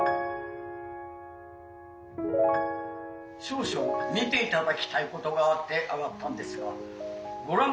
「少々見て頂きたいことがあって上がったんですがご覧下さいますか。